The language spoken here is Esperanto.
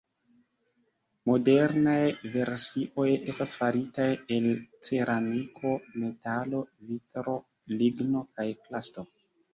Modernaj versioj estas faritaj el ceramiko, metalo, vitro, ligno kaj plasto.